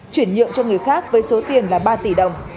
chuyển nhượng cho người khác với số tiền là ba tỷ đồng